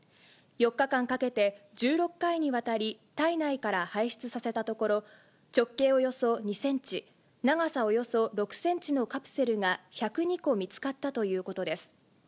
４日間かけて、１６回にわたり、体内から排出させたところ、直径およそ２センチ、長さおよそ６センチのカプセルが１０２個見つかったということです。